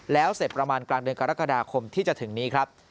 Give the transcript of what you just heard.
แล้วเสร็จประมาณกลางเดือนกรกฎาคมที่จะถึงนี้ครับ